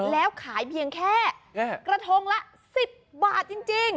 แล้วขายเพียงแค่กระทงละ๑๐บาทจริง